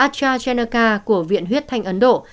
astrazeneca của viện huyết thanh ấn độ